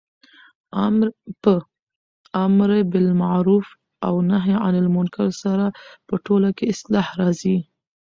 په امرباالمعرف او نهي عن المنکر سره په ټوله کي اصلاح راځي